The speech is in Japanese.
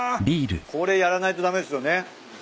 これやらないと駄目っすよね。